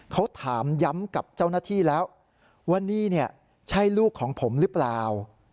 เขาถามย้ำกับเจ้าหน้าที่แล้วว่านี่ใช่ลูกของผมหรือเปล่า